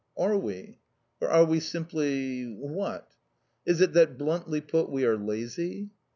Are we? Or are we simply what? Is it that, bluntly put, we are lazy?